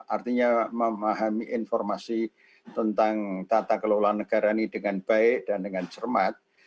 artinya memahami informasi tentang tata kelola negara ini dengan baik dan dengan cermat